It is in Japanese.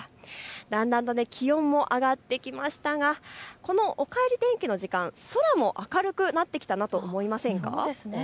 だんだん気温も上がってきましたがこの、おかえり天気の時間、空も明るくなってきたなと思いませんか。